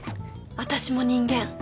私も人間